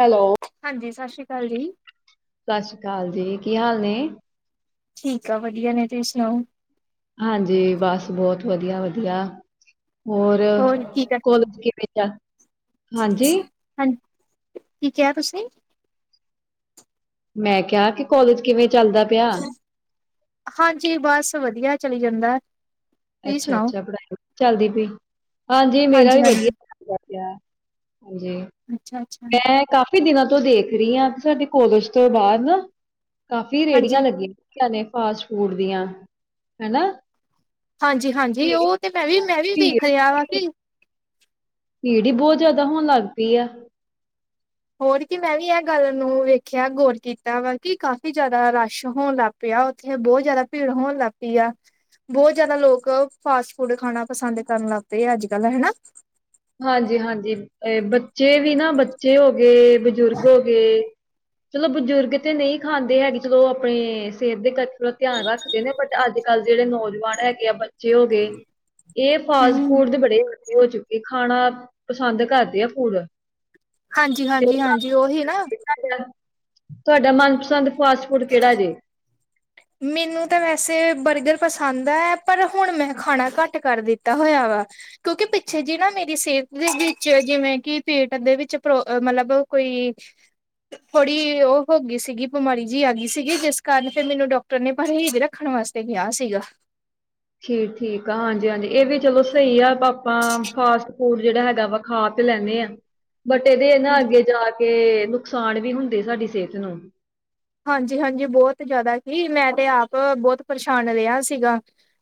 Hello, ਹਾਂਜੀ ਸਤਿ ਸ਼੍ਰੀ ਅਕਾਲ ਜੀ ਸਾ ਸ੍ਰੀ ਕਾਲ ਜੀ, ਕੀ ਹਾਲ ਨੇ? ਠੀਕ ਆ, ਵਧੀਆ ਨੇ। ਤੁਸੀਂ ਸੁਣਾਓ? ਹਾਂਜੀ, ਬਸ ਬੌਤ ਵਧੀਆ ਵਧੀਆ। ਹੋਰ, ਕੀ ਕਰ ਕੋਲੇਜ ਕਿਵੇਂ ਦਾ? ਹਾਂਜੀ। ਹਾਂ ਕੀ ਕਿਹਾ ਤੁਸੀਂ? ਮੈਂ ਕਿਹਾ, ਕਿ ਕੋਲਜ ਕਿਵੇਂ? ਚੱਲਦਾ ਪਿਆ? ਹਾਂਜੀ, ਬਸ ਵਧੀਆ ਚਲੀ ਜਾਂਦੈ। ਅੱਛਾ ਅੱਛਾ, ਪੜ੍ਹਾਈ ਚੱਲਦੀ ਪਈ। ਹਾਂਜੀ ਮੇਰਾ ਵੀ ਵਧੀਐ। ਆ, ਹਾਂਜੀ ਅੱਛਾ ਅੱਛਾ ਮੈਂ ਕਾਫੀ ਦਿਨਾਂ ਤੋਂ ਦੇਖ ਰੀ ਹਾਂ ਕੇ ਸਾਡੇ ਕੋਲਜ ਤੇ ਬਾਰ ਨਾ, ਕਾਫੀ ਰੇਹੜੀਆਂ ਹਾਂਜੀ ਲੱਗੀਆਂ ਤੀਆਂ ਨੇ। ਫਾਸਟ-ਫੂਡ ਦੀਆਂ ਹੈਨਾ। ਹਾਂਜੀ ਹਾਂਜੀ, ਓਹ ਤੇ ਮੈਂ ਵੀ ਮੈਂ ਵੀ ਭੀੜ ਵੇਖ ਰਿਹਾ ਵਾ ਕਿ ਪੀੜੀ ਬੌਤ ਜੈਦਾ ਹੋਣ ਲੱਗ ਪਈ ਐ। ਹੋਰ ਕੀ, ਮੈਂ ਵੀ ਐ ਗੱਲ ਨੂੰ ਵੇਖਿਆ ਗੌਰ ਕੀਤਾ ਵਾ ਕਿ ਕਾਫ਼ੀ ਜੈਦਾ ਰਸ਼ ਹੋਣ ਲੱਗ ਪੇ ਆ, ਔਥੇ ਬੌਤ ਜੈਦਾ ਭੀੜ ਹੋਣ ਲੱਗ ਪਈ ਆ। ਬੌਤ ਜੈਦਾ ਲੋਕ ਫਾਸਟ ਫੂਡ ਖਾਣਾ ਪਸੰਦ ਕਰਨ ਲੱਗ ਪੇ ਆ ਅੱਜ-ਕੱਲ੍ਹ, ਹਨਾ। ਹਾਂਜੀ ਹਾਂਜੀ, ਏਅ ਬੱਚੇ ਵੀ ਨਾ, ਬੱਚੇ ਹੋਗੇ ਬਜ਼ੁਰਗ ਹੋਗੇ। ਚਲੋ, ਬਜ਼ੁਰਗ ਤੇ ਨਹੀਂ ਖਾਂਦੇ ਹੈਗੇ ਚਲੋ ਅਪਣੇ ਸਿਹਤ ਦੇ ਕਸਰਤ ਧਿਆਨ ਰੱਖਦੇ ਨੇ ਬਟ ਅੱਜ ਅੱਜ-ਕੱਲ ਜੇੜੇ ਨੌਜਵਾਨ ਹੈਗੇ ਆ ਬੱਚੇ ਹੋਗੇ, ਏ ਫਾਸਟ ਹਮ ਫੂਡ ਦੇ ਬੜੇ ਹੋਗੇ ਔਚੁੱ ਇ ਖਾਣਾ ਪਸੰਦ ਕਰਦੇ ਆ ਫੂਡ। ਹਾਂਜੀ ਤੇ ਹਾਂਜੀ ਹਾਂਜੀ, ਓਹੀ ਨਾ। ਤੁਹਾਡਾ ਤੁਹਾਡਾ ਮਨਪਸੰਦ ਫਾਸਟ ਫੂਡ ਕੇੜਾ ਜੇ? ਮੈਨੂੰ ਤਾਂ ਵੈਸੇ ਬਰਗਰ ਪਸੰਦ ਹੈ, ਪਰ ਹੁਣ ਮੈਂ ਖਾਣਾ ਘੱਟ ਕਰ ਦਿੱਤਾ ਹੋਇਆ ਵਾ। ਕਿਉਂਕਿ ਪਿੱਛੇ ਜੀ ਨਾ ਮੇਰੀ ਸਿਹਤ ਦੇ ਵਿੱਚ ਜਿਵੇਂ ਕਿ ਪੇਟ ਦੇ ਵਿੱਚ ਪ੍ਰੋ ਮਤਲਬ ਕੋਈ ਥੋੜੀ ਓਹ ਹੋਗੀ ਸੀਗੀ ਬਿਮਾਰੀ ਜਿ ਆਗੀ ਸੀਗੀ, ਜਿਸ ਕਾਰਨ ਫੇਰ ਮੈਨੂੰ ਡਾਕ ਟਰ ਨੇ ਪਰਹੇਜ ਰੱਖਣ ਵਾਸਤੇ ਕਿਹਾ ਸੀਗਾ। ਠੀਕ ਠੀਕ ਆ, ਹਾਂਜੀ ਹਾਂਜੀ ਏ ਵੀ ਚਲੋ ਸਹੀ ਐ ਆਪਾਂ ਫਾਸਟ-ਫੂਡ ਜੇੜਾ ਹੈਗਾ ਵਾ ਖਾ ਲੈਂਣੇ ਆਂ। ਬਟ ਇਦੇ ਇਹ ਨਾ ਅੱਗੇ ਜਾ ਕੇ ਨੁਕਸਾਨ ਵੀ ਹੁੰਦੇ ਸਾਡੀ ਸਿਹਤ ਨੂੰ ਹਾਂਜੀ ਹਾਂਜੀ ਬਹੁਤ ਜ਼ਿਆਦਾ ਸੀ ਮੈਂ ਤੇ ਆਪ ਬਹੁਤ ਪਰੇਸ਼ਾਨ ਰਿਹਾ ਸੀਗਾ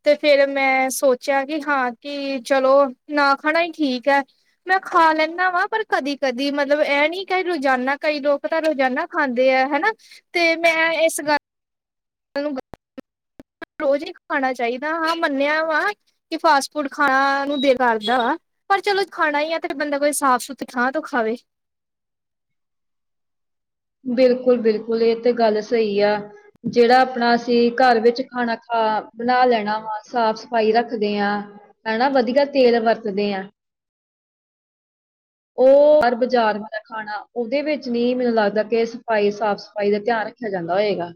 ਤੇ ਫੇਰ ਫਿਰ ਮੈਂ ਸੋਚਿਆ ਕਿ ਹਾਂ ਕਿ ਚਲੋ ਨਾ ਖਾਣਾ ਹੀ ਠੀਕ ਹੈ ਮੈਂ ਖਾ ਲੈਂਦੀ ਵਾ ਪਰ ਕਦੀ ਕਦੀ ਮਤਲਬ ਇਹ ਨੀ ਕਿ ਰੋਜ਼ਾਨਾ ਕਈ ਲੋਕ ਤਾਂ ਰੋਜ਼ਾਨਾ ਖਾਂਦੇ ਹੈ ਹਨਾ ਤੇ ਮੈਂ ਇਸ ਗੱਲ ੂੰ ਗੱ ਰੋਜ਼ ਹੀ ਖਾਣਾ ਚਾਹੀਦਾ ਹਾਂ ਮੰਨਿਆ ਵਾ ਕਿ ਫਾਸਟ ਫੂਡ ਖਾਣਾ ਨੂੰ ਦਿਲ ਕਰਦਾ ਵਾ ਚਲੋ ਖਾਣਾ ਈ ਆ ਤਾਂ ਬੰਦਾ ਕੋਈ ਸਾਫ- ਸੁਥਰੀ ਥਾਂ ਤੋਂ ਖਾਵੇ ਬਿਲਕੁਲ ਬਿਲਕੁਲ ਇਹ ਤੇ ਗੱਲ ਸਹੀ ਆ ਜਿਹੜਾ ਆਪਣਾ ਅਸੀਂ ਘਰ ਵਿੱਚ ਖਾਣਾ ਖਾ ਬਣਾ ਲੈਣਾ ਵਾ ਸਾਫ਼ ਸਫ਼ਾਈ ਰੱਖਦੇ ਹਾਂ ਹਨਾ ਵਧੀਆ ਤੇਲ ਵਰਤਦੇ ਆ ਉਹ ਹਰ ਬਾਜ਼ਾਰ ਵਾਲਾ ਖਾਣਾ ਉਹਦੇ ਵਿੱਚ ਨਹੀਂ ਮੈਨੂੰ ਲੱਗਦਾ ਕਿ ਸਫ਼ਾਈ ਸਾਫ਼ ਸਫ਼ਾਈ ਦਾ ਧਿਆਨ ਰੱਖਿਆ ਜਾਂਦਾ ਹੋਏਗਾ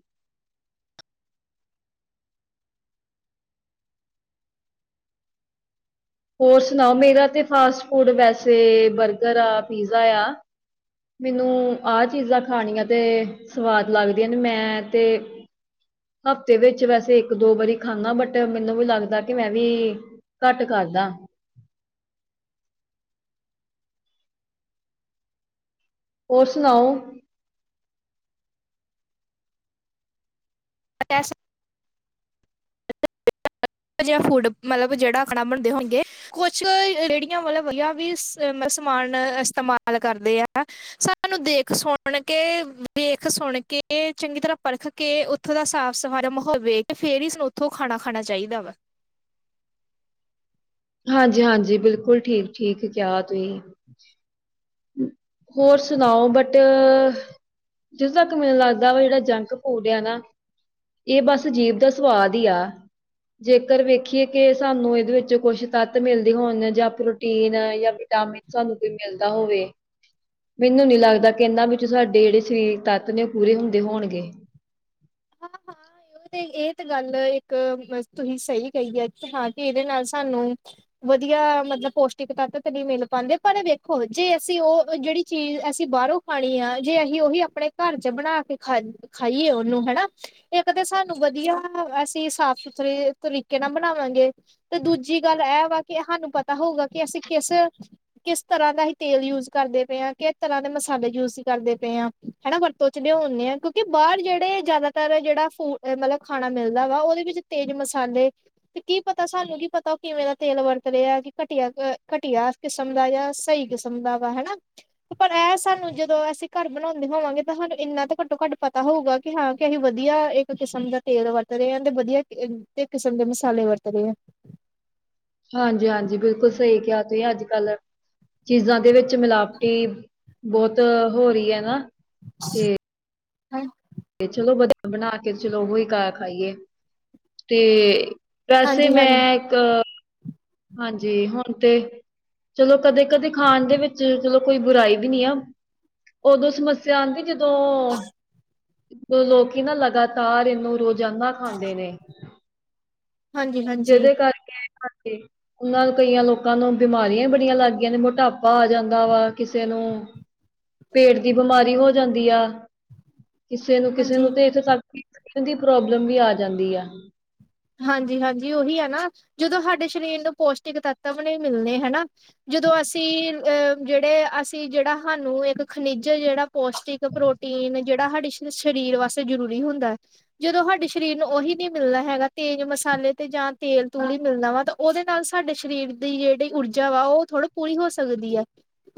ਹੋਰ ਸੁਣਾਓ ਮੇਰਾ ਤੇ ਫਾਸਟ ਫੂਡ ਵੈਸੇ ਬਰਗਰ ਆ ਪੀਜ਼ਾ ਆ ਮੈਨੂੰ ਆਹ ਚੀਜ਼ਾਂ ਖਾਣੀਆਂ ਤੇ ਸਵਾਦ ਲੱਗਦੀਆਂ ਨੇ ਮੈਂ ਤੇ ਹਫ਼ਤੇ ਵਿੱਚ ਵੈਸੇ ਇੱਕ ਦੋ ਵਾਰੀ ਖਾਂਦਾ ਬਟ ਮੈਨੂੰ ਵੀ ਲੱਗਦਾ ਕਿ ਮੈਂ ਵੀ ਘੱਟ ਕਰਦਾਂ ਹੋਰ ਸੁਣਾਓ ਪੈਸ ਇਹੋ ਜਿਹਾ ਫੂਡ ਮਤਲਬ ਜਿਹੜਾ ਆਪਣਾ ਬਣਦੇ ਹੋਣਗੇ ਕੁਛ ਰੇੜੀਆਂ ਵਾਲੇ ਵਧੀਆ ਵੀ ਸਮਾਨ ਇਸਤੇਮਾਲ ਕਰਦੇ ਆ ਸਾਨੂੰ ਦੇਖ ਸੁਣ ਕੇ ਵੇਖ ਸੁਣ ਕੇ ਕੇ ਚੰਗੀ ਤਰ੍ਹਾਂ ਪਰਖ ਕੇ ਉੱਥੋਂ ਦਾ ਸਾਫ਼ ਸਫ਼ਾਰ ਮਾਹੌਲ ਵੇਖ ਕੇ ਫੇਰ ਹੀ ਸਾਨੂੰ ਉੱਥੋਂ ਖਾਣਾ ਖਾਣਾ ਚਾਹੀਦਾ ਵ ਹਾਂਜੀ ਹਾਂਜੀ ਬਿਲਕੁਲ ਠੀਕ ਠੀਕ ਕਿਆ ਤੁਸੀਂ ਹੋਰ ਸੁਣਾਓ ਬਟ ਜਦੋਂ ਤੱਕ ਮੈਨੂੰ ਲੱਗਦਾ ਵਾ ਜਿਹੜਾ ਜੰਕ ਫੂਡ ਆ ਨਾ ਇਹ ਬਸ ਜੀਬ ਦਾ ਸਵਾਦ ਹੀ ਆ ਜੇਕਰ ਵੇਖੀਏ ਕਿ ਸਾਨੂੰ ਇਹਦੇ ਵਿੱਚ ਕੁਛ ਤੱਤ ਮਿਲਦੇ ਹੋਣ ਜਾਂ ਪ੍ਰੋਟੀਨ ਜਾਂ ਜਾ ਤੁਹਾਨੂੰ ਕੋਈ ਮਿਲਦਾ ਹੋਵੇ ਮੈਨੂੰ ਨੀ ਲੱਗਦਾ ਕਿ ਇਹਨਾ ਵਿੱਚ ਸਾਡੇ ਜਿਹੜੇ ਸਰੀਰ ਤੱਤ ਨੇ ਉਹ ਪੂਰੇ ਹੁੰਦੇ ਹੋਣਗੇ ਹਾਂ-ਹਾਂ ਇਹ ਤੇ ਗੱਲ ਇੱਕ ਤੁਸੀਂ ਸਹੀ ਕਹੀ ਹੈ ਹਾਂ ਕਿ ਇਹਦੇ ਨਾਲ ਸਾਨੂੰ ਵਧੀਆ ਮਤਲਬ ਮਤਲਬ ਪੌਸ਼ਟਿਕ ਤੱਤ ਤੇ ਨਹੀਂ ਮਿਲ ਪਾਉਂਦੇ ਪਰ ਵੇਖੋ ਜੇ ਅਸੀਂ ਉਹ ਜਿਹੜੀ ਚੀਜ਼ ਅਸੀਂ ਬਾਹਰੋਂ ਖਾਣੀ ਆ ਜੇ ਅਸੀਂ ਉਹੀ ਆਪਣੇ ਘਰ ਚ ਬਣਾ ਕੇ ਖਾ ਖਾਈਏ ਉਹਨੂੰ ਹਨਾ ਹ ਕਦੇ ਸਾਨੂੰ ਵਧੀਆ ਅਸੀਂ ਸਾਫ਼ ਸੁਥਰੇ ਤਰੀਕੇ ਨਾਲ ਬਣਾਵਾਂਗੇ, ਤੇ ਦੂਜੀ ਗੱਲ ਇਹ ਵਾ ਕਿ ਸਾਨੂੰ ਪਤਾ ਹੋਊਗਾ, ਕਿ ਅਸੀਂ ਕਿਸ ਕਿਸ ਤਰ੍ਹਾਂ ਦਾ ਹੀ ਤੇਲ ਯੂਜ ਕਰਦੇ ਪਏ ਹਾਂ ਕਿਸ ਤਰ੍ਹਾਂ ਮਸਾਲੇ ਯੂਜ ਹੀ ਕਰਦੇ ਪਏ ਆ ਹਨਾ, ਵਰਤੋਂ ਚ ਲਿਓਨੇ ਆ ਕਿਉਂਕਿ ਬਾਹਰ ਜਿਹੜੇ ਜ਼ਿਆਦਾ ਜਿਹੜਾ ਫੂਡ ਮਤਲਬ ਖਾਣਾ ਮਿਲਦਾ, ਵਾ ਉਹਦੇ ਵਿੱਚ ਤੇਜ ਮਸਾਲੇ ਤੇ ਕੀ ਪਤਾ ਸਾਨੂੰ ਕੀ ਪਤਾ। ਕਿਵੇਂ ਦਾ ਤੇਲ ਵਰਤ ਰਿਹਾ, ਕਿ ਘਟੀਆ ਘਟੀਆ ਕਿਸਮ ਦਾ ਜਾਂ ਸਹੀ ਕਿਸਮ ਦਾ ਵਾ ਹਨਾ। ਪਰ ਇਹ ਸਾਨੂੰ ਜਦੋਂ ਅਸੀਂ ਘਰ ਬਣਾਦੇ ਹੋਵਾਂਗੇ, ਤਾਂ ਸਾਨੂੰ ਇੰਨਾ ਤਾਂ ਘੱਟੋ-ਘੱਟ ਪਤਾ ਹੋਊਗਾ ਕਿ ਹਾਂ। ਵਧੀਆ ਇੱਕ ਕਿਸਮ ਦਾ ਤੇਲ ਵਰਤ ਰਹੇ ਆ, ਤੇ ਵਧੀਆ ਇੱਕ ਕਿਸਮ ਦੇ ਮਸਾਲੇ ਵਰਤ ਰਹੇ ਆ। ਹਾਂਜੀ-ਹਾਂਜੀ, ਬਿਲਕੁਲ ਸਹੀ ਕਿਹਾ ਤੁਸੀਂ ਅੱਜ-ਕੱਲ, ਚੀਜ਼ਾਂ ਦੇ ਵਿੱਚ ਮਿਲਾਵਟ ਵੀ ਬਹੁਤ ਹੋ ਰਹੀ ਹੈ ਨਾ। ਹੂੰ, ਤੇ ਚਲੋ ਬ ਬਣਾ ਕੇ ਚਲੋ ਉਹੀ ਖ ਖਾਈਏ ਤੇ, ਵੈਸੇ ਹਾਂਜੀ ਹਾਂਜੀ ਮੈਂ ਇੱਕ ਹਾਂਜੀ ਹੁਣ ਤੇ, ਚਲੋ ਕਦੇ-ਕਦੇ ਖਾਣ ਦੇ ਵਿੱਚ ਚਲੋ ਕੋਈ ਬੁਰਾਈ ਵੀ ਨੀ ਆ। ਉਦੋਂ ਸਮੱਸਿਆ ਆਦੀ ਜਦੋਂ ਤੋਂ ਲੋਕੀ ਨਾ ਲਗਾਤਾਰ ਇਹਨੂੰ ਰੋਜ਼ ਜਨਾ ਖਾਂਦੇ ਨੇ ਹਾਂਜੀ ਹਾਂਜੀ ਜਿਹਦੇ ਕਰਕੇ, ਉਹਨਾਂ ਕਈਆਂ ਲੋਕਾਂ ਨੂੰ ਬਿਮਾਰੀਆਂ ਵੀ ਬੜੀਆਂ ਲੱਗ ਗਈਆਂ, ਨੇ ਮੋਟਾਪਾ ਆ ਜਾਂਦਾ ਵਾ ਕਿਸੇ ਨੂੰ ਪੇਟ ਦੀ ਬਿਮਾਰੀ ਹੋ ਜਾਂਦੀ ਆ। ਕਿਸੇ ਨੂੰ ਕਿਸੇ ਹਾਂਜੀ ਨੂੰ ਤੇ ਇਥੇ ਤਕ [unintelligible] ਦੀ ਪ੍ਰੋਬਲਮ ਵੀ ਆ ਜਾਂਦੀ ਆ। ਹਾਂਜੀ-ਹਾਂਜੀ, ਜ ਉਹੀ ਹੈ ਨਾ, ਜਦੋਂ ਸਾਡੇ ਸਰੀਰ ਨੂੰ ਪੌਸ਼ਟਿਕ ਤੱਤਵ ਨਹੀਂ ਮਿਲਣੇ ਹੈਨਾ ਜਦੋਂ ਅਸੀਂ ਅ ਜਿਹੜੇ ਅਸੀਂ ਜਿਹੜਾ ਸਾਨੂੰ ਇੱਕ ਖਣਿਜ ਜਿਹੜਾ ਪੌਸ਼ਟਿਕ ਪ੍ਰੋਟੀਨ ਜਿਹੜਾ ਸਾਡੇ ਸਰੀਰ ਵਾਸਤੇ ਜ਼ਰੂਰੀ ਹੁੰਦਾ ਹੈ, ਜਦੋਂ ਸਾਡੇ ਸਰੀਰ ਨੂੰ ਉਹੀ ਨਹੀਂ ਮਿਲਦਾ ਹੈਗਾ। ਤੇਜ਼ ਮਸਾਲੇ ਤੇ ਜਾਂ ਤੇਲ ਤੂਲ ਈ ਮਿਲਦਾ, ਵਾ ਤਾਂ ਉਹਦੇ ਨਾਲ ਸਾਡੇ ਸਰੀਰ ਦੀ ਜਿਹੜੀ ਊਰਜਾ ਵਾ ਉਹ ਥੋੜੀ ਪੂਰੀ ਹੋ ਸਕਦੀ ਹੈ।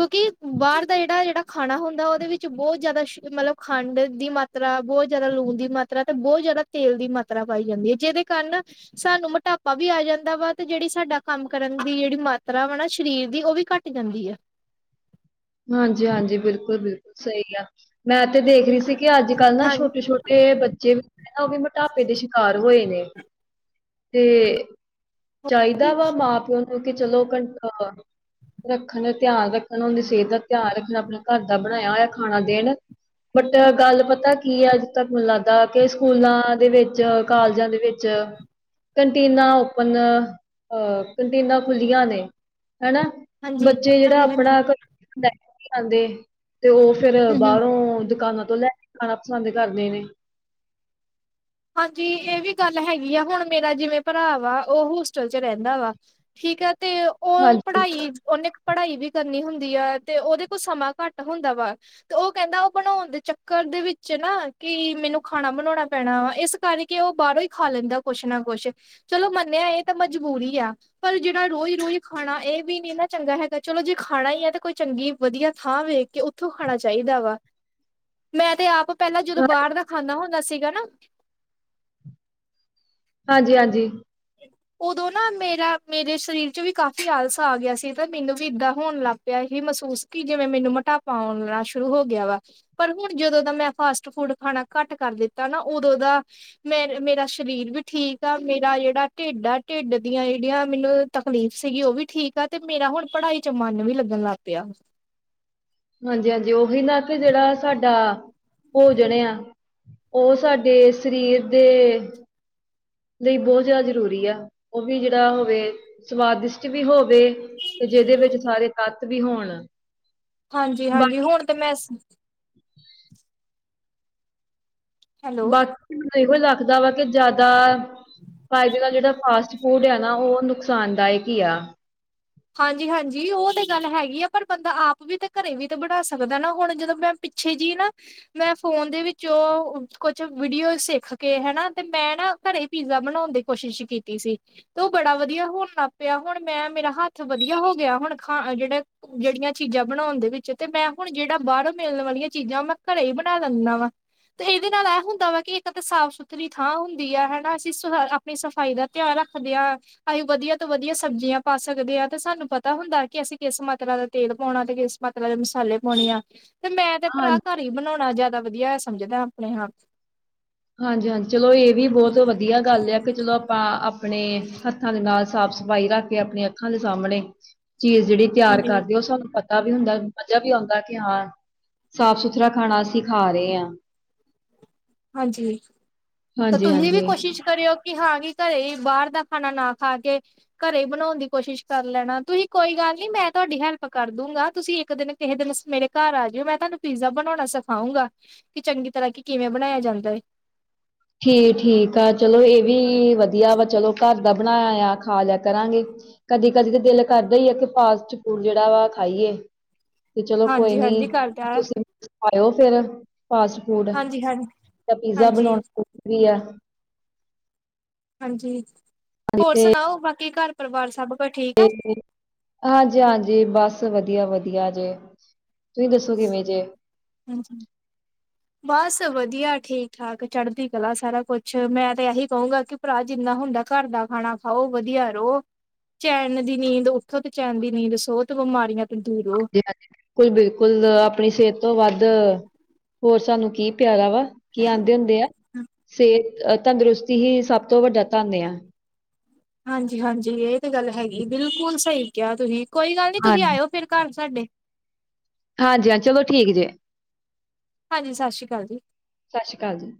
ਕਿਉਂਕਿ ਬਾਹਰ ਦਾ ਜਿਹੜਾ ਜਿਹੜਾ ਖਾਣਾ ਹੁੰਦਾ ਉਹਦੇ ਵਿੱਚ ਬਹੁਤ ਜ਼ਿਆਦਾ ਸ਼ ਮਤਲਬ ਖੰਡ ਦੀ ਮਾਤਰਾ ਬਹੁਤ ਜਿਆਦਾ ਲੂਣ ਦੀ ਮਾਤਰਾ ਤੇ ਬਹੁਤ ਜਿਆਦਾ ਤੇਲ ਦੀ ਮਾਤਰਾ ਪਾਈ ਜਾਂਦੀ ਹੈ ਜਿਹਦੇ ਕਾਰਨ ਸਾਨੂੰ ਮੋਟਾਪਾ ਵੀ ਆ ਜਾਂਦਾ ਵਾ ਤੇ ਜਿਹੜੀ ਸਾਡਾ ਕੰਮ ਕਰਨ ਦੀ ਜਿਹੜੀ ਮਾਤਰਾ ਵਾ ਨਾ ਸ਼ਰੀਰ, ਦੀ ਉਹ ਵੀ ਘੱਟ ਜਾਂਦੀ ਹੈ। [unintelligible] ਹਾਂਜੀ ਹਾਂਜੀ ਬਿਲਕੁਲ ਬਿਲਕੁਲ ਸਹੀ ਆ ਮੈਂ, ਤੇ ਦੇਖ ਰਹੀ ਸੀ ਕਿ ਅੱਜ-ਕੱਲ੍ਹ ਨਾ ਹਾਂਜੀ ਛੋਟੇ-ਛੋਟੇ ਬੱਚੇ ਵੀ ਜਿਹੜੇ ਉਹ ਵੀ ਮੋਟਾਪੇ ਦੇ ਸ਼ਿਕਾਰ ਹੋਏ ਨੇ, ਤੇ ਚਾਹੀਦਾ ਵਾ ਮਾਂ ਪਿਓ ਨੂੰ ਕਿਉਂਕਿ ਚਲੋ ਕੰਟ ਅ ਰੱਖਣ ਧਿਆਨ ਰੱਖਣ ਉਹਦੀ ਸਿਹਤ ਦਾ ਧਿਆਨ ਰੱਖਣਾ, ਆਪਣਾ ਘਰ ਦਾ ਬਣਾਇਆ ਹੋਇਆ ਖਾਣਾ ਦੇਣ ਬਟ ਗੱਲ ਪਤਾ ਕੀ ਹੈ, ਅਜੱ ਤੱਕ ਮੈਨੂੰ ਲੱਗਦਾ ਕਿ ਸਕੂਲਾਂ ਦੇ ਵਿੱਚ ਕਾਲਜਾਂ ਦੇ ਵਿੱਚ ਕੰਟੀਨਾ ਓਪਨ ਅ ਕੰਟੀਨਾਂ ਖੁੱਲੀਆਂ ਨੇ, ਹੈਨਾ ਹਾਂਜੀ ਬੱਚੇ ਜਿਹੜਾ ਹਾਂਜੀ ਹਾਂਜੀ ਆਪਣਾ ਹੂੰ ਘਰੋਂ ਲੈ ਕੇ ਨੀ ਆਂਦੇ। ਤੇ ਉਹ ਫੇਰ ਹੂੰ ਬਾਹਰੋਂ ਦੁਕਾਨਾਂ ਤੋਂ ਲੈ ਕੇ ਖਾਣਾ ਪਸੰਦ ਕਰਦੇ ਨੇ, ਹਾਂਜੀ ਇਹ ਵੀ ਗੱਲ ਹੈਗੀ ਆ, ਹੁਣ ਮੇਰਾ ਜਿਵੇਂ ਭਰਾ ਵਾ ਉਹ ਹੋਸਟਲ ਚ ਰਹਿੰਦਾ ਵਾ ਠੀਕ ਐ। ਤੇ ਉਹ ਹਾਂਜੀ ਪੜ੍ਹਾਈ ਉਹਨੇ, ਪੜ੍ਹਾਈ ਵੀ ਕਰਨੀ ਹੁੰਦੀ ਆ, ਤੇ ਉਹਦੇ ਕੋਲ ਸਮਾਂ ਘੱਟ ਹੁੰਦਾ ਵਾ, ਤੇ ਉਹ ਕਹਿੰਦਾ ਉਹ ਬਣਾਣ ਦੇ ਚੱਕਰ ਦੇ ਵਿੱਚ ਨਾ ਕਿ ਮੈਨੂੰ ਖਾਣਾ ਬਣਾਣਾ ਪੈਣਾ ਵਾ, ਇਸ ਕਰਕੇ ਉਹ ਬਾਹਰੋਂ ਹੀ ਖਾ ਲੈਂਦਾ, ਕੁਛ ਨਾ ਕੁਛ ਚਲੋ ਮੰਨਿਆ ਇਹ ਤਾਂ ਮਜਬੂਰੀ ਆ ਪਰ ਜਿਹੜੀ ਰੋਜ਼ ਰੋਜ਼ ਖਾਣਾ ਇਹ ਵੀ ਨੀ ਨਾ ਚੰਗਾ ਹੈਗਾ, ਚਲੋ ਜੇ ਖਾਣਾ ਹੀ ਹੈ ਤੇ ਕੋਈ ਚੰਗੀ ਵਧੀਆ ਥਾਂ ਵੇਖ ਕੇ ਕਿਥੋਂ ਖਾਣਾ ਚਾਹੀਦਾ ਵਾ, ਮੈਂ ਤੇ ਆਪ ਪਹਿਲਾਂ ਜਦੋਂ ਹਾਂ- ਬਾਹਰ ਦਾ ਖਾਂਦਾ ਹੁੰਦਾ ਸੀਗਾ ਨਾ। ਹਾਂਜੀ-ਹਾਂਜੀ, ਉਦੋਂ ਨਾ ਮੇਰਾ ਮੇਰੇ ਸਰੀਰ ਚ ਵੀ ਕਾਫ਼ੀ ਆਲਸਾ ਆ ਗਿਆ, ਸੀ ਤਾਂ ਮੈਨੂੰ ਵੀ ਏਦਾਂ ਹੋਣ ਲੱਗ ਪਿਆ। ਮਹਿਸੂਸ ਕਿ ਜਿਵੇਂ ਮੈਨੂੰ ਮੋਟਾਪਾ ਆਉਣਾ ਸ਼ੁਰੂ ਹੋ ਗਿਆ ਵਾ ਪਰ ਹੁਣ ਜਦੋਂ ਦਾ ਮੈਂ ਫਾਸਟ ਫੂਡ ਖਾਣਾ ਘੱਟ ਕਰ ਦਿੱਤਾ ਨਾ ਉਦੋਂ ਦਾ ਮੇ ਮੇਰਾ ਸਰੀਰ ਵੀ ਠੀਕ ਆ ਮੇਰਾ ਜਿਹੜਾ, ਢਿੱਡ ਆ ਢਿੱਡ ਦੀਆਂ ਜਿਹੜੀਆਂ ਮੈਨੂੰ ਤਕਲੀਫ਼ ਸੀਗੀ ਉਹ ਵੀ ਠੀਕ ਆ ਤੇ ਮੇਰਾ ਹੁਣ ਪੜ੍ਹਾਈ ਚ ਮਨ ਵੀ ਲੱਗਾ। ਲਗ ਪਿਆ। ਹਾਂਜੀ ਹਾਂਜੀ ਉਹੀ ਨਾ ਕਿ ਜਿਹੜਾ ਸਾਡਾ ਭੋਜਣ ਆ। ਉਹ ਸਾਡੇ ਸਰੀਰ ਦੇ ਲਈ ਬਹੁਤ ਜ਼ਿਆਦਾ ਜ਼ਰੂਰੀ ਆ, ਉਹ ਵੀ ਜਿਹੜਾ ਹੋਵੇ ਸਵਾਦਿਸ਼ਟ ਵੀ ਹੋਵੇ ਤੇ ਜਿਹਦੇ ਵਿੱਚ ਸਾਰੇ ਤੱਤ ਵੀ ਹੋਣ। ਹਾਂਜੀ ਹਾਂਜੀ ਬਾਕੀ ਹੁਣ ਤੇ ਮੈਂ ਹੈਲੋ ਬਾਕੀ ਮੈਨੂੰ ਇਹੋ ਲੱਗਦਾ ਵਾ ਕਿ ਜ਼ਿਆਦਾ ਫਾਇਦੇ ਨਾਲ ਜਿਹੜਾ ਫਾਸਟ ਫੂਡ ਆ ਨਾ ਉਹ ਨੁਕਸਾਨਦਾਇਕ ਹੀ ਆ। ਹਾਂਜੀ ਹਾਂਜੀ ਉਹ ਤੇ ਗੱਲ ਹੈਗੀ ਆ ਪਰ ਬੰਦਾ ਆਪ ਵੀ ਤੇ ਘਰੇ ਵੀ ਤੇ ਬਣਾ ਸਕਦਾ ਨਾ ਹੁਣ ਜਦੋਂ ਮੈਂ ਪਿੱਛੇ ਜੀ ਨਾ ਮੈਂ ਫੋਨ ਦੇ ਵਿੱਚ ਉਹ ਕੁਛ ਵੀਡੀਓ ਸਿੱਖ ਕੇ ਹੈਨਾ ਤੇ ਮੈਂ ਨਾ ਘਰੇ ਪੀਜ਼ਾ ਬਣਾਉਣ ਦੀ ਕੋਸ਼ਿਸ਼ ਕੀਤੀ ਸੀ ਤੇ ਉਹ ਬੜਾ ਵਧੀਆ ਹੋਣ ਲੱਗ ਪਿਆ ਹੁਣ ਮੈਂ ਮੇਰਾ ਹੱਥ ਥ ਵਧੀਆ ਹੋ ਗਿਆ ਹੁਣ ਖਾ ਜਿਹੜੇ ਜਿਹੜੀਆਂ ਚੀਜ਼ਾਂ ਬਣਾਉਣ ਦੇ ਵਿੱਚ ਤੇ ਮੈਂ ਹੁਣ ਜਿਹੜਾ ਬਾਹਰੋਂ ਮਿਲਣ ਵਾਲ ਲੀਆਂ ਚੀਜ਼ਾਂ ਮੈਂ ਘਰੇ ਹੀ ਬਣਾ ਲੈਂਦਾ ਵਾ ਤੇ ਇਹਦੇ ਨਾਲ ਇਹ ਹੁੰਦਾ ਵਾ ਕਿ ਇੱਕ ਤਾਂ ਸਾਫ਼ ਸੁਥਰੀ ਥਾਂ ਹੁੰਦੀ ਹੈ ਹੈਨਾ ਅਸੀਂ ਸ ਆਪਣੀ ਸਫ਼ਾਈ ਦਾ ਧਿਆਨ ਰੱਖਦੇ ਹਾਂ ਅਸੀਂ ਵਧੀਆ ਤੋਂ ਵਧੀਆ ਸਬਜ਼ੀਆਂ ਪਾ ਸਕਦੇ ਹਾਂ। ਤੇ ਸਾਨੂੰ ਪਤਾ ਹੁੰਦਾ ਕਿ ਅਸੀਂ ਕਿਸ ਮਾਤਰਾ ਦਾ ਤੇਲ ਪਾਉਣਾ ਤੇ ਕਿਸ ਮਾਤਰਾ ਦੇ ਮਸਾਲੇ ਪਾਉਣੇ ਆ। ਤੇ ਮੈਂ ਤੇ ਹਾਂ ਭਰਾ ਘਰ ਹੀ ਬਣਾਉਣਾ ਜ਼ਿਆਦਾ ਵਧੀਆ ਸਮਝਦਾ ਆਪਣੇ ਆਪ। ਹਾਂਜੀ ਹਾਂਜੀ ਚਲੋ ਇਹ ਵੀ ਬਹੁਤ ਵਧੀਆ ਗੱਲ ਆ ਕਿ ਚਲੋ ਆਪਾਂ ਆਪਣੇ ਹੱਥਾਂ ਦੇ ਨਾਲ ਸਾਫ਼ ਸਫ਼ਾਈ ਰੱਖ ਕੇ ਆਪਣੀਆਂ ਅੱਖਾਂ ਦੇ ਸਾਹਮਣੇ। ਚੀਜ਼ ਜਿਹੜੀ ਤਿਆਰ ਹਾਂਜੀ ਕਰਦੀ ਉਹ ਸਾਨੂੰ ਪਤਾ ਵੀ ਹੁੰਦਾ ਮਜ਼ਾ ਵੀ ਆਉਂਦਾ ਕਿ ਹਾਂ। ਸਾਫ ਸੁਥਰਾ ਖਾਣਾ ਅਸੀਂ ਖਾ ਰਹੇ ਹਾਂ। ਜੀ। ਤਾਂ ਹਾਂਜੀ ਤੁਸੀਂ ਵੀ ਹਾਂਜੀ ਕੋਸ਼ਿਸ਼ ਕਰਿਓ? ਕਿ ਹਾਂ ਕਿ ਘਰੇ ਹੀ ਬਾਹਰ ਦਾ ਖਾਣਾ ਨਾ ਖਾ ਕੇ ਘਰੇ ਹੀ ਬਣਾਉਣ ਦੀ ਕੋਸ਼ਿਸ਼ ਕਰ ਲੈਣਾ ਤੁਸੀਂ ਕੋਈ ਗੱਲ ਗੱਲ ਨਹੀਂ ਮੈਂ ਤੁਹਾਡੀ ਹੈਲਪ ਕਰ ਦੂੰਗਾ ਤੁਸੀਂ ਇੱਕ ਦਿਨ ਕਿਸੇ ਦਿਨ ਮੇਰੇ ਘਰ ਆ ਜਾਓ ਮੈਂ ਤੁਹਾਨੂੰ ਪੀਜ਼ਾ ਬਣਾਉਣਾ ਸਿਖਾਓ। ਸਿਖਾਉਗਾ ਕਿ ਚੰਗੀ ਤਰ੍ਹਾਂ ਕੀ ਕਿਵੇਂ ਬਣਾਇਆ ਜਾਂਦਾ ਹੈ। ਠੀਕ ਠੀਕ ਆ ਚਲੋ ਇਹ ਵੀ ਵਧੀਆ ਵਾ ਚਲੋ ਘਰ ਦਾ ਬਣਾਇਆ ਖਾ ਲਿਆ ਕਰਾਂਗੇ। ਕਦੀ ਕਦੀ ਤਾਂ ਦਿਲ ਕਰਦਾ ਹੀ ਆ ਕਿ ਫਾਸਟ ਫੂਡ ਜਿਹੜਾ ਵਾ ਖਾਈਏ। ਤੇ ਚਲੋ ਕੋਈ ਹਾਂਜੀ ਨੀ ਹਾਂਜੀ ਕਰਦਾ ਤੁਸੀਂ ਆਇਓ ਫਿਰ। ਫਾਸਟ ਫੂਡ ਹਾਂਜੀ ਹਾਂ ਮੈਂ ਪੀਜ਼ਾ ਹਾਂਜੀ ਬਣਾਉਣਾ। ਗਾ। ਹਾਂਜੀ, ਹੋਰ ਸੁਣਾਓ ਬਾਕੀ ਘਰ ਪਰਿਵਾਰ ਸਭ ਕੁਝ ਠੀਕ ਆ? ਹਾਂਜੀ ਹਾਂਜੀ ਬਸ ਵਧੀਆ ਵਧੀਆ ਜੇ। ਤੁਸੀਂ ਦੱਸੋ ਕਿਵੇਂ ਜੇ? [inaudible] ਬਸ ਵਧੀਆ ਠੀਕ ਠਾਕ ਚੜ੍ਹਦੀ ਕਲਾ ਸਾਰਾ ਕੁਛ ਮੈਂ ਤੇ ਇਹੀ ਕਹੂੰਗਾ ਕਿ ਭਰਾ ਜਿੰਨਾ ਜਿਨ੍ਹਾਂ ਹੁੰਦਾ ਘਰ ਦਾ ਖਾਣਾ ਖਾਓ ਵਧੀਆ ਰਹੋ। ਚੈਨ ਦੀ ਨੀਂਦ ਉੱਠੋ ਤੇ ਚੈਨ ਦੀ ਨੀਂਦ ਸੌ ਤੇ ਬਿਮਾਰੀਆਂ। ਤੋਂ ਦੂਰ ਰਹੋ। ਹਾਂਜੀ ਹਾਂਜੀ ਬਿਲਕੁਲ ਬਿਲਕੁਲ ਆਪਣੀ ਸਿਹਤ। ਤੋਂ ਵੱਧ ਹੋਰ ਸਾਨੂੰ ਕੀ ਪਿਆਰਾ ਵਾ ਕੀ ਆਉਂਦੇ ਹੁੰਦੇ ਆ ਸਿਹਤ ਅਹ ਤੰਦਰੁਸਤੀ ਹੀ ਸਭ ਤੋਂ ਵੱਡਾ ਧੰਨ ਆ। ਹਾਂਜੀ ਹਾਂਜੀ ਇਹ ਤੇ ਗੱਲ ਹੈਗੀ ਬਿਲਕੁਲ ਸਹੀ ਕਿਹਾ ਤੁਸੀਂ ਕੋਈ ਗੱਲ ਨੀ ਤੁਸੀਂ ਹਾਂਜੀ ਆਇਓ ਫਿਰ ਘਰ। ਸਾਡੇ। ਹਾਂਜੀ ਹਾਂ ਚਲੋ ਠੀਕ ਜੇ। ਹਾਂਜੀ ਸਤਿ ਸ਼੍ਰੀ ਅਕਾਲ ਜੀ। ਸਤਿ ਸ਼੍ਰੀ ਅਕਾਲ ਜੀ